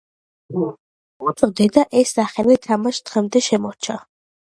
უწოდეს და ეს სახელი თამაშს დღემდე შემორჩა.